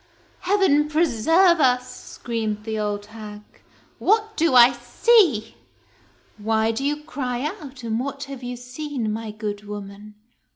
" Heaven preserve us! " screamed the old hag: "what do I see?" " Why do you cry out, and what have you seen, my good woman?"